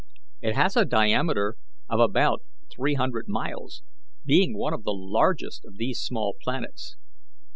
It has a diameter of about three hundred miles, being one of the largest of these small planets.